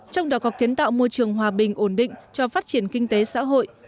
trong đó có kiến tạo môi trường hòa bình ổn định cho phát triển kinh tế xã hội